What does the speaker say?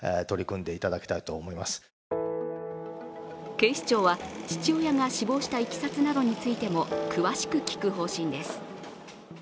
警視庁は父親が死亡したいきさつなどについても詳しく聴く方針です。